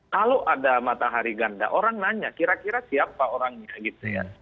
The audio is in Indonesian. kalau ada matahari ganda orang nanya kira kira siapa orangnya gitu ya